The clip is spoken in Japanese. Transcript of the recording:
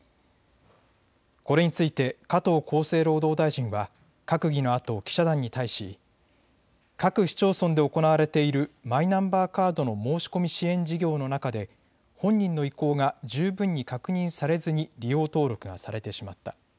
これについて加藤厚生労働大臣は閣議のあと記者団に対し各市町村で行われているマイナンバーカードの申し込み支援事業の中で本人の意向が十分に確認されずに利用登録がされてしまった。